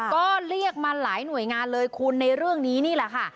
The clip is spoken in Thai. ก็เรียกมาหลายหน่วยงานเลยคุณในเรื่องนี้นี่แหละค่ะ